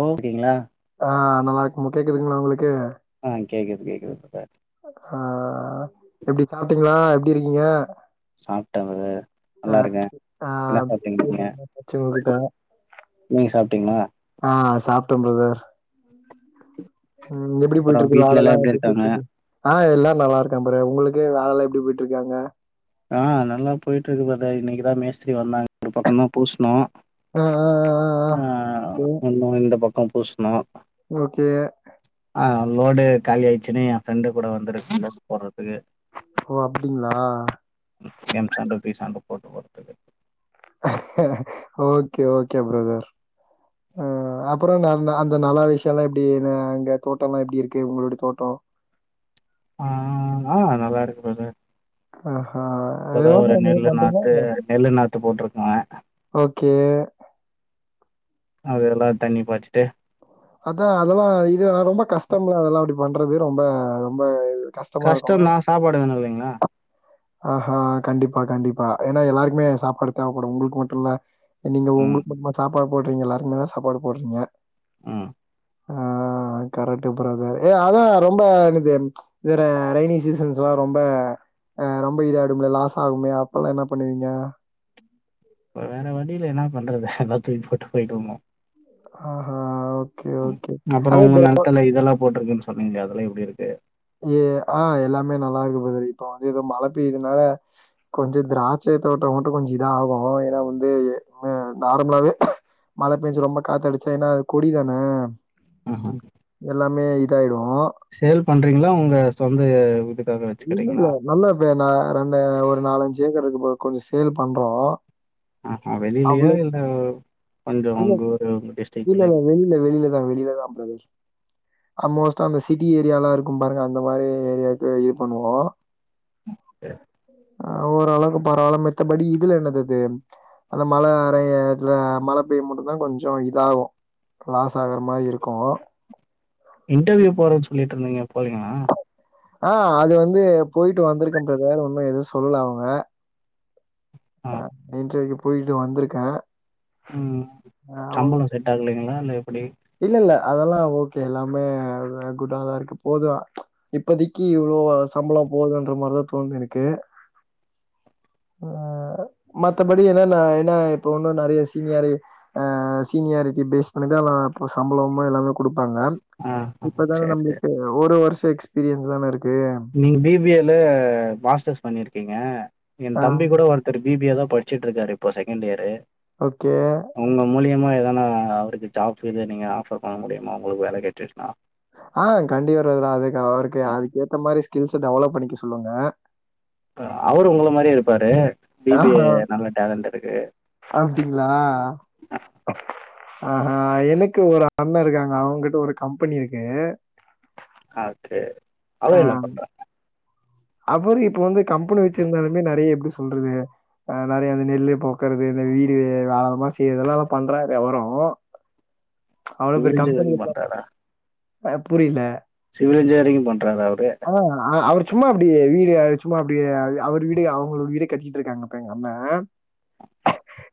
ஓகேங்ளா ஆ நல்லா இருக்மா கேக்குதுங்ளா உங்ளுக்கு ஆ கேக்குது கேக்குது இப்த்தா ஆ எப்டி சாப்ட்டீங்ளா எப்டி இருக்கீங்க சாப்ட்டே பிரதர் ஆ நல்லா இருக்கே ஆ என்ன சாப்ட்டீங்க நீங்க சேரி ஓகேட்டாங்க நீங்க சாப்டீங்ளா ஆ சாப்டோம் பிரதர் ம் எப்டி அப்புறோ போயிட்ருக்கு வீட்ல நாள் எல்லா எப்டி இருக்காங்க போயிட்ருக்கு ஆ எல்லார் நல்லா இருக்கா ப்ரே உங்களுக்கு வேலைல்லா எப்டி போய்ட்டு இருக்கு அங்க ஆ நல்லா போய்ட்டு இருக்கு ப்ரதர் இன்னைக்குதா மேஸ்திரி வந்தாங்க ஒரு பக்கந்தா பூஸ்னோ ஆ ம் ஒன்னு இந்த பக்கோ பூஸ்ணோ ஓகே ஆ லோடு காலி ஆயிச்சுன்னு என் ஃப்ரெண்டு கூட வந்துருக்கே லேத்துக் போடுறதுக்கு ஓ அப்டிங்ளா எம் சாண்ட்டு பி சாண்ட்டு போட்டு ஒட்றதுக் ஓகே ஓகே ப்ரதர் அ அப்றோ ந அந்த நல்ல விஷயோல்லா எப்டி அங்க தோட்டோல்லா எப்டி இருக்கு உங்களுடைய தோட்டோ ஆ ஆ நல்லா இருக்குதுங்க ஆஹா இப்ப தா ஒரு விவசாயம் எது நெல்லு பண்றீங்க நாத்து நெல்லு நாத்து போட்ருக்கே ஓகே அதெல்லா தண்ணி பாச்சுட்டு அதா அதெல்லா இது ரொம்ப கஷ்டம்லா அதெல்லா அப்டி பண்றது ரொம்ப ரொம்ப கஷ்டமா இருக்கும் கஷ்டந்தா சாப்பாடு வேணு இல்லைங்ளா ஆஹா கண்டிப்பா கண்டிப்பா ஏன்னா எல்லாருக்குமே சாப்பாடு தேவப்படு உங்களுக்கு மட்டுஇல்ல நீங்க ம் உங்களுக்கு மட்டுமா சாப்பாடு போடுறீங்க எல்லாருக்குமேதா சாப்பாடு போடுறீங்க ம் ஆ கரெக்ட் பிரதர் ஏய் அதா ரொம்ப இது இதுற ரெய்னி சீசன்ஸ்லா ரொம்ப அ ரொம்ப இதாய்டும்ல லாஸ் ஆகுமே அப்பல்லா என்ன பண்ணுவீங்க வேற வழியில்ல என்னா பண்றது எல்லா தூக்கி போட்டு போயிடுவேங்க அ ஆ அப்றோ உங்க நெலத்துல இதெல்லா போட்ருக்குன்னு சொன்னீங்களே அதெல்லா எப்டி இருக்கு ஏ ஆ எல்லாமே நல்லாருக்கு பிரதர் இப்ப வந்து ஏதோ மழ பெய்துனால கொஞ்ச திராட்சை தோட்டோ மட்டு கொஞ்ச இதாகு ஏனா வந்து ஆ நார்மலாவே மழ பேஞ்சு ரொம்ப காத்தடிச்சா ஏன்னா அது கொடி தான ம்ஹ்ம். எல்லாமே இதாய்டு சேல் பண்றீங்ளா உங்க சொந்த இது இல்லல்ல நல்லா இப்ப நா ரெண்டு ஒரு நாலஞ்சு ஏக்கரு இருக்கு ப்ரோ இப்போ கொஞ்சோ சேல் பண்றோ அ ஆ வெளிலியா இல்ல கொஞ்சம் இல்ல உங்க ஊரு, உங்க டிஸ்ட்ரிக்ட்குள்ளயே? இல்லல்ல வெளில வெளிலதா வெளிலதா ப் ப்ரோ அல் மோஸ்டா அந்த சிட்டி ஏரியாலா இரு கும் பாருங்க அந்த மாரி ஏரியாக்கு இது பண்ணுவோ அ ஓரளவுக்கு பரவால மித்தபடி இதுல என்னதுஇது அந்த மழ அறைய இல்ல மழ பெய்ய மட்டுதா கொஞ்சோ இதாகு லாசாகுர மாரி இருக்கு இன்டர்வியூ போறேன்னு சொல்லீட்ருந்தீங்க போறிங்ளா ஆ அது வந்து போய்ட்டு வந்திருக்க பிரதர் ஒன்னு எதுவு சொல்லல அவங்க ஆ. அ இன்டர்வியூக்கு போயிட்டு வந்திருக்கே ம் சம்பளோ செட் ஆகலைங்களா இல்ல எப்டி இல்ல இல்ல அதெல்லா ஓகே எல்லாமே குட்டாதா இருக்கு போது இப்பதிக்கி இவ்ளோ சம்பளம் போதுன்ற மாரிதா தோணுது எனக்கு ஆ மத்தபடி என்னென்ன இப்ப ஒன்னு நெறைய சீனியரு ஆ சீனியாரிட்டி பேஸ் பண்ணிதா எல்லார்க்கு சம்பளமா எல்லாமோ குடுப்பாங்க ஆ. ஆ. இப்போதான சரி, சரி. நம்மளுக்கு ஒரு வருஷ எக்ஸ்பீரியன்ஸ் தான இருக்கு நீங்க பி பி ஏ ல மாஸ்டர்ஸ் பண்ணிருக்கீங்க என் ஆ தம்பி கூட ஒருத்தரு பிபிஏ தான் படிச்சிட்டு இருக்காரு இப்போ செகண்ட் இயரு ஓகே உங்க மூலியமா எதன்னா அவருக்கு ஜாப் இது நீங்க ஆஃபர் பண்ண முடியுமா உங்களுக்கு வேல கெடச்சுருச்சுன்னா ஆ கண்டிப்பா ப்ரோ அதுக்கு அவருக்கு அதுக்கேத்த மாரி ஸ்கில்ஸ் டெவலப் பண்ணிக்க சொல்லுங்க அவர் உங்கள மாரியே இருப்பாரு பி பி ஏ நல்ல டேலண்ட் இருக்கு அப்டிங்ளா ஆ ஹ எனக்கு ஒரு அண்ண இருக்காங்க அவங்கிட்ட ஒரு கம்பெனி இருக்கு ஆகே அ அவரு என்ன பண்றா அவரு இப்போ வந்து கம்பெனி வெச்சிருந்தாலுமே நெறைய எப்டி சொல்றது அ நெறைய அந்த நெல்லு போக்குறது இந்த வீடு ஆழமா செய்யறது எல்லா பண்றாரு அவரு அவ்ளோ சிவில் பேர் இன்ஜினியரிங் கம்பெனில பண்றாரா ஆ புரில சிவில் இன்ஜினியரிங் பண்றாரா அவரு ஆ அவர் சும்மா அப்படியே வீடு சும்மா அப்படியே அவர் வீடு அவங்களோட வீட கட்டிட்டு இருக்காங்கப்ப எங்க அண்ண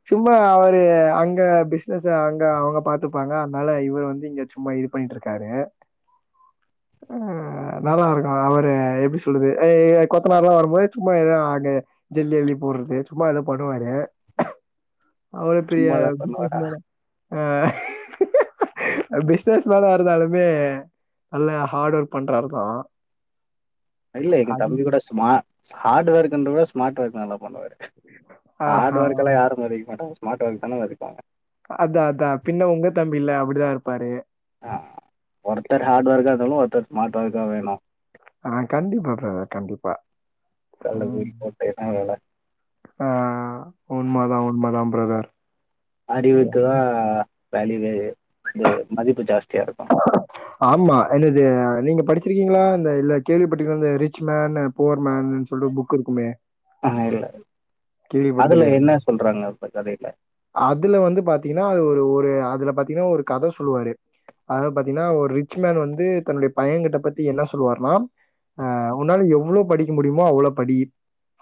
சும்மா அவரு அங்க பிசினஸ் அங்க அவங்க பாத் பத்துப்பாங்க அதனால இவரு வந்து இங்க சும்மா இது பண்ணிட்டு இருக்காரு ஆ நல்லாருக்கு அவரு எப்டி சொல்லுது கொத்தனார்ல்லா வரும்போது சும்மா எதா அங்க ஜல்லி அள்ளி போடுறது சும்மா அத பண்ணுவாரு அவ்ளோ பெரிய சும்மாதான் பிஸினஸ் பண்ணுவாரா மேனு அ பிசினஸ் மேனா இருந்தாலுமே நல்லா ஹார்ட் ஒர்க் பண்றாருதா இல்ல எங்க தம்பி கூட ஸ்மா ஹார்ட் ஒர்க்ன்றத ஸ்மார்ட் ஒர்க் நல்லா பண்ணுவாரு ஹார்ட் ஆஹா ஒர்க்லா யாரு மதிக்க மாட்டாங்க ஸ்மார்ட் ஒர்க் தான மதிப்பாங்க அதா அதா பின்ன உங்க தம்பில அப்டிதா இருப்பாரு ஆ ஒருத்தர் ஹார்டு ஒர்க்காருந்தாலு ஒருத்தர் ஸ்மார்ட் வொர்க்கா வேணு ஆ கண்டிப்பா பிரதர் கண்டிப்பா கல்ல ம். தூக்கி போட்டு என்னா வேல ஆ உண்மதா உண்மதா பிரதர் அறிவுக்குதா வால்யூவே இது மதிப்பு ஜாஸ்தியா இருக்கு ஆமா என்னது நீங்க படிச்சிருக்கீங்களா இந்த இல்ல கேள்விப்பட்ருக்கீங்களா இந்த ரிச் மேன் புவர் மேன்னு சொல்ட்டு புக் இருக்குமே ஆ ஹ இல்ல அதில கேள்விப்பட்டதில்லையா? என்ன சொல்றாங்க அந்த கதைல அதுல வந்து பாத்தீங்கன்னா அது ஒரு ஒரு அதுல பாத்தீங்கன்னா ஒரு கதை சொல்லுவாரு அத பாத்தீங்கன்னா ஒரு ரிச் மேன் வந்து தன்னுடைய பையன்கிட்ட பத்தி என்ன சொல்லுவார்ன்னா ஆ உன்னால எவ்ளோ படிக்க முடியுமோ அவ்ளோ படி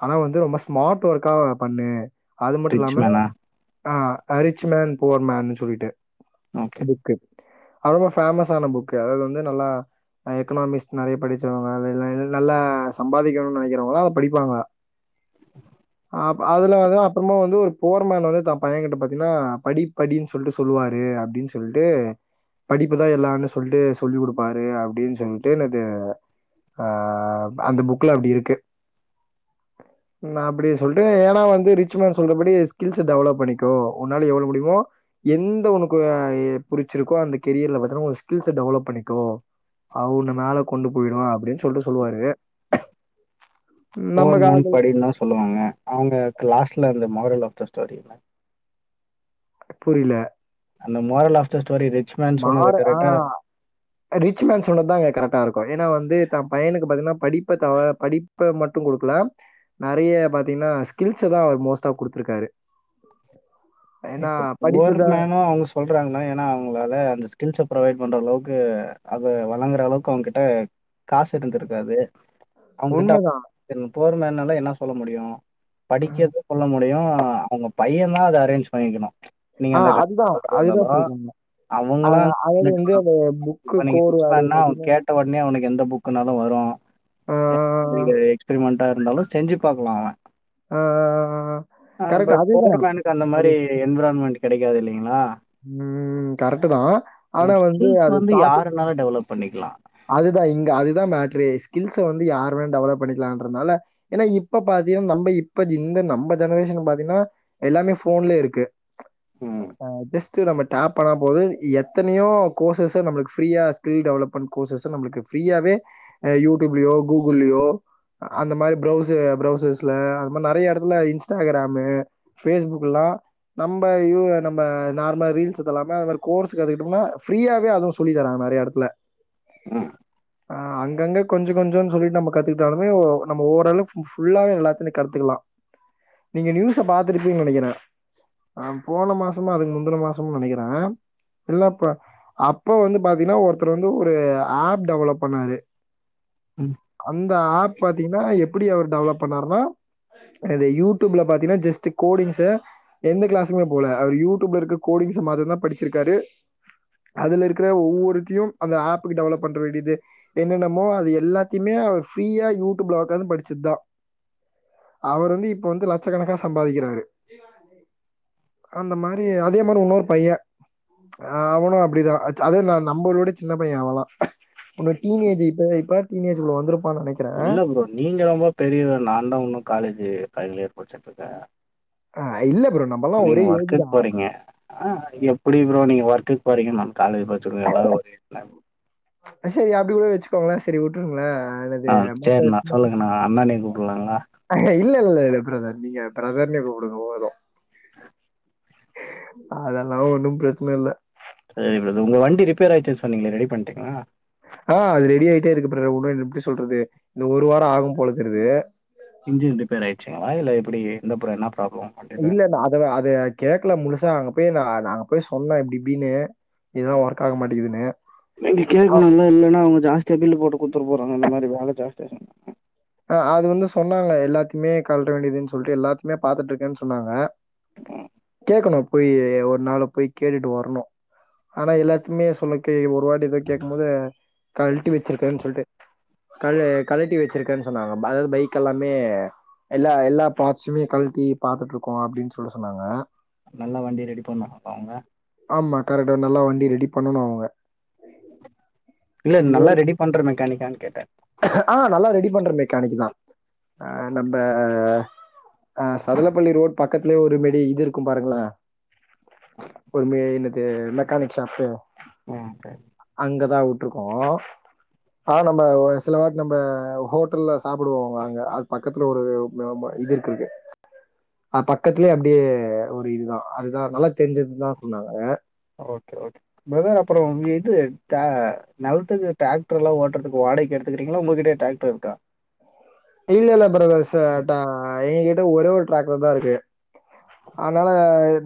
ஆனா வந்து ரொம்ப ஸ்மார்ட் ஒர்க்கா பண்ணு அது மட்டு ரிச் இல்லாம மேனா? ஆ ரிச் மேன் புவர் மேன் சொல்லிட்டு ஓகே. புக்கு அது ரொம்ப ஃபேமஸான புக்கு அதாவது வந்து நல்லா எக்கனாமிஸ்ட் நெறைய படிச்சவங்க நல்ல சம்பாதிக்கணுன் நெனக்கிறவங்க அத படிப்பாங்க அதுல வந்து அப்பறமா வந்து ஒரு புவர் மேன் வந்து தான் பையன் கிட்ட பாத்தீங்கன்னா படி படின்னு சொல்லிட்டு சொல்லுவாரு அப்படின் சொல்ட்டு படிப்புதா எல்லான்னு சொல்ட்டு சொல்லி குடுப்பாரு அப்டின் சொல்ட்டு னது ஆ அந்த புக்ல அப்டி இருக்கு நா அப்டி சொல்ட்டு ஏனா வந்து ரிச் மேன் சொல்றபடி ஸ்கில்ஸ்ச டெவலப் பண்ணிக்கோ உன்னால எவ்ளோ முடிமோ எந்த உனக்கு புடிச்சிருக்கோ அந்த கெரியர்ல பாதன்னா உ ஸ்கில்ஸ டெவலப் பண்ணிக்கோ அவ உன்ன மேல கொண்டு போயிடு அப்டின் சொல்ட்டு சொல்லுவாரு நம்ம போர் மேன் காலத்துல படின் தா சொல்லுவாங்க அவங்க க்ளஸ்ல அந்த மாரல் ஆஃப் த ஸ்டோரி புரில அந்த moral of the story rich man சொன்னது மாற ஆ கரெட்டா [inaudible] ரிச் மேன் சொன்னதா அங்க கரெட்டா இருக்கு ஏனா வந்து தா பையனுக்கு பாத்தீங்னா படிப்ப த படிப்ப மட்டு குடுக்ல நறைய பாத்தீங்கன்னா ஸ்கில்ஸ தா அவர் மோஸ்ட்டா குடுத்துருக்காரு ஏன்னா இப்ப படிப்பு புவர் தான் மேனு அவ சொல்றாங்கனே ஏனா அவங்களால அந்த ஸ்கில்ஸ ப்ரொவைட் பண்ற அளவுக்கு அது வழங்குற அளவுக்கு அவங்கிட்ட காசு இருந்துருக்காது அவங்க உண்ம. கிட்ட போறமேனால என்ன சொல்ல முடியு படிக்கத் சொல்ல முடியு அவங்க பைய தா அத அரேஞ்ச் பன்னிக்கணு நீங்க ஆ அந்த கா அதுதான், [unintelligible] அதுதான் அலோ சொல்றேங்க. அ அவங்களா அதாவது வந்து அந்த [unintelligible] புக்கு இப்ப நீங்க கோர் ஃபிக்ஸ் வேலைய பண்ணா பார்த்தீங்கன்னா, கக் ஒட்னே அவனுக்கு எந்த புக்குனாலு வரு ஆ, [unintelligible] எக்ஸ்பீரீமென்ட் எதா இருந்தாலு செஞ்சு பாக்லா ஆ ஆ கரெக்ட் பட் அதுதான். புவர்மனுக்கு அந்த அது மாரி என்விரான்மெண்ட் கிடைக்காது இல்லைங்களா ம் கரெட்டு தா ஆனா வந்து அது பாத் ஆறுநாலு டெவலப் பண்ணிக்லா அதுதா இங்க அதுதா மட்ரே ஸ்கில்ஸ வந்து யாருமே டெவலப் பண்ணிக்கலான்றதுனால ஏனா இப்ப பாத்தீங்க நம்ம இப்ப இந்த நம்ம ஜெனரேஷன் பாத்தீங்கனா எல்லாமே ஃபோன்லே இருக்கு ம். ஆ பிஸ் சி நம்ம டப் பண்ண போது எத்தனயோ கோசஸ்ஸ நம்ளுக்கு ஃப்ரீயா ஸ்கில் டெவலப் பண் கோர்சஸ நம்ளுக்கு ஃப்ரீயாவே அ யூட்யூப்லயோ கூகுள்ளியோ அந்த மாரி ப்ரௌச ப்ரௌசர்ஸ்ல அந்த மாரி நறைய எடத்துல இன்ஸ்டாக்ரமு பேஸ்புக்குல்லா நம்ப இ நம்ப நார்ம ரீல்ஸ் இதெல்லாம ஒரு கோர்ஸ் கத்துக்கிட்டம்னா ஃப்ரீயாவே அதுவு சொல்லி தராங்க நறைய எடத்துல ம் ஆ அங்கங்க கொஞ்சோ கொஞ்சோம்ன் சொல்லி நம்ம கத்துக்கிட்டாலுமே நம்ம ஓரளவு ஃபுல்லாவே எல்லாத்தையுமே கத்துக்கலா நீங்க நியூஸ பாத்துருபீங் நெனைக்கிற ஆ போன மாசமோ அதுக்கு முந்துன மாசமோ நினைக்கிற இல்லப்பா அப்ப வந்து பாத்தீங்ன்னா ஒருத்தர் வந்து சோ அப் டெவலப் பண்ணாரு ம் அந்த ஆப் பாத்தீங்னா எப்படி அவர் டெவலப் பண்ணாருனா அது யூட்யூப்ல பாத்தீங்கன்னா ஜஸ்ட்டு கோடிங்ச எந்த க்ளாஸுமே போல அவரு யூட்யூப்ல இருக்க கோடிங்ச பாத்துதா படிச்சிருக்காரு அதுல இருக்குற ஒவ்வொருத்தையு அந்த ஆப்புக்கு டெவலப் பண்ண வேண்டியது என்னென்னமோ அது எல்லாத்தைமே அவர் ஃப்ரீயா யூட்யூப்ல உக்காந்து படிச்சு தா அவர் வந்து இப்ப வந்து லட்சக்கணக்கா சம்பாதிக்கிறாரு அந்த மாரி அதே மாரி இன்னொரு பைய ஆ அவனு அப்டிதா அது நம்மளோட சின்ன பைய அவலா உன்ன டீனேஜ் இப்ப இப்ப டீனேஜ்ல வந்துருப்பான் நினைக் இல்ல ப்ரோ நீங்க ரொம்ப பெரியவர் நாந்தா இன்னு காலேஜூ ஃபைனல் இயர் படிச்சிட்டு இருக்க ஆ இல்ல ப்ரோ நம்மல்லா ஒரே ஏஜ் தா போறீங்க. ஆ எப்டி ப்ரோ நீங்க ஒர்க்குக் போறீங்க நா காலேஜ் படிச்சுக்க எல்லா ஒரு செரி அப்டி கூட வெச்சுக்கோங்களே செரி உட்டுருங்களேன் ஆனது ஆ சரிண்ணா. மத்த சொல்லுங்கண்ணா. அண்ணனையும் கூப்பிடலாங்களா? இல்லல்லல்ல பிரதர் நீங்க பிரதர்னே கூப்டுங்க போது அதெல்லா ஒன்னு பிரச்சன இல்ல சேரி பிரதர் உங்க வண்டி ரிப்பேர் ஆயிடிச்சுனு சொன்னீங்ளே ரெடி பண்ட்டீங்ளா அ அது ரெடி ஆயிட்டே இருக்கு பிரதர் உன்ட எப்டி சொல்றது இன்னு ஒரு வாரோ ஆகு போல தெரியுது இஞ்சின் ரிப்பேர் ஆயிருச்சுங்ளா இல்ல எப்டி இந்த‌‌ ப்ரா என்ன ப்ராப்ளம் வண்டில? இல்ல இல்ல அதுவ அது கேக்கல முழுசா அங்க போய் நா நாங்க போய் சொன்னோ இப்டி இப்டின்னு இதுலா ஒர்க் ஆக மாட்டிங்கிதுன்னு நீங்க கேட்குனுல்ல இல்லனா அவங்க ஜாஸ்தியா பில் போட்டு குடுத்துட போறாங்க இந்த மாரி வேல ஜாஸ்தியா செஞ் அ அது வந்து சொன்னாங்க எல்லாத்துக்குமே கழட்ட வேண்டியதுன்னு சொல்லிட்டு எல்லாத்துக்குமே பாத்துட்டு இருக்கேன்னு சொன்னாங்க கேக்கணு போயி ஒரு நாளு போய் கேட்டுட்டு வரணு ஆனா எல்லாத்துக்குமே சொல்லக்கு ஒரு வாட்டி போய் கேக்கு போது கழட்டி வெச்சிருக்கேன்னு சொல்ட்டு கழ கழட்டி வெச்சிருக்கேன்னு சொன்னாங்க அதாவது பைக் எல்லாமே எல்லா எல்லா பார்ட்ஸ்சுமே கழட்டி பாத்துட்டு இருக்கோ அப்டின்னு சொல்ல சொன்னாங்க நல்லா வண்டி ரெடி பண்ணுவாங்களா அவங்க ஆமா கரெக்டா நல்லா வண்டி ரெடி பண்ணுனு அவங்க இல்ல நல்லா ரெடி பண்ற மெக்கானிக்கான்னு கேட்ட அ நல்லா ரெடி பண்ற மெக்கானிக் தா அ நம்ம அ சதலப்பள்ளி ரோட் பக்கத்துலே ஒரு மெடி இது இருக்கு பாருங்ளே ஒரு மெ என்னது மெக்கானிக் ஷாப்பு ம் செரி அங்கதா உட்ருக்கோ அ நம்ப வ சில வாட்டி நம்ப ஹோட்டல்ல சாப்டுவோ அங்க அது பக்கத்துல ஒரு ஆமா இது இருக்கு இங்க அது பக்கத்துலே அப்டியே ஒரு இதுதா அதுதா நல்லா தெரிஞ்சதுன்னு தா சொன்னாங்க ஓகே ஓகே பிரதர் அப்றோ இது [unintelligible] நெலத்துக்கு டிராக்டர்லா ஓட்டுறதுக்கு வாடகைக்கு எடுத்துக்கீறீங்ளா உங்ககிட்டயே டிராக்டர் இருக்கா இல்ல இல்ல பிரதர்ஸ் ச டா எங்க கிட்ட ஒரே ஒரு டிராக்டர் தா இருக்கு அதனால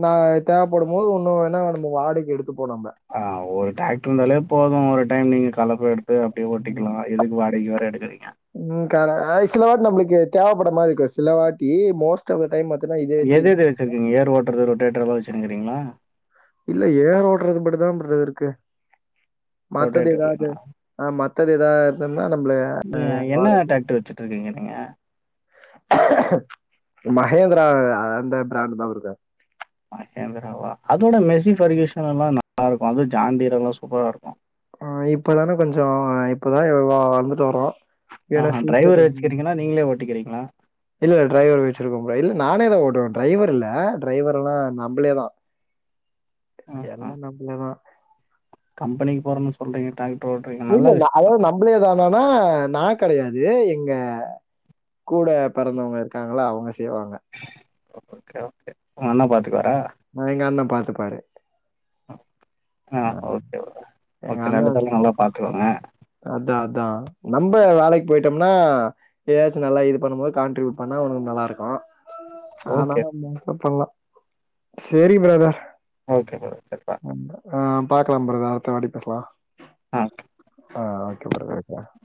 நா தேவப்படும்போது ஒண்ணு வேணா நம்ம வாடகைக்கு எடுத்துப்போ நம்ப அ ஒரு டிராக்டர் இருந்தாலே போது ஒரு டைம் நீங்க கலப்பு எடு த்து அப்டியே ம். ஓட்டிக்கலா எதுக்கு வாடகைக்கு வேற எடுக்குறீங்க? ம் கேர அ சிலவாட்டி நம்மளுக்கு தேவப்பட்ற மாரி இருக்கு சிலவாட்டி மோஸ்ட் ஆப்த டைம் பாத்தினா இது எது எது வெச்சுருக்கீங்க ஏர் ஓட்டுறது ரொட்டேட்டர்ல்லா வெச்சுருக்கறீங்ளா? இல்ல ஏர் ஓட்றதுக்கு மட்டு தா பிரதர் இருக்கு மத்தது ரொட்டேட்டர்ல எதாவ்து என்ன அ மத்தது எதா இருந்தன்னா நம்மளே நீ என்ன டிராக்டர் வெச்சுட்டு இருக்கீங்க நீங்க மகேந்திரா அ அந்த பிராண்ட் தா இருக்கு மகேந்திரவா அதோட மெஸ்ஸி பர்கியூஷன் எல்லா நல்லா இருக்கு அது ஜான் டீரே எல்லா சூப்பரா இருக்கு அ இப்பதானே கொஞ்சோ இப்பதா வா வளந்துட்டு வர்றோ ஆஹா ட்ரைவர வெச்சுக்கிறீங்ளா நீங்களே ஓட்டிக்கிறீங்ளா இல்ல இல்ல டிரைவர் வெச்சிருக்கோ இல்ல நானே தா ஓட்டுவே ட்ரைவர் இல்ல ட்ரைவர்லா நம்பளே தா ஆஹ. எல்லா நம்பளேதா கம்பெனிக்கு போறன்னு சொல்றீங்க ட்ராக்டர் ஓட்டு இல்ல இல்ல அதாவது நம்பளே தானானா நா கெடயாது எங்க கூட பெறந்தவங்க இருக்காங்கள்ல அவங்க செய்வாங்க ஓகே ஓகே உங்க அண்ண பாத்துக்குவாரா அ எங்க அண்ண பாத்துப்பாரு ஆ அ ஓகே ப்ரோ ஓகே ரெண்டு பேருமே நல்லா பாத்துகோங்க. அதா அதா நம்ப வேலைக்கு போயிட்டோம்னா ஏ ஆச் நல்லா இது பண்ணும் போது காான்ட்ரிபூ பண்ணா உனக்கு நல்லா இருக்கும். ஓகே, செரி பிரதர் ஓகே பிரதர் செரிப்பா அந்த ஆ பாக்லா ப்ரோ அடுத்த வாட்டி பேஸ்லா ஆ கே ஆ ஓகே பிரதர் [unintelligible]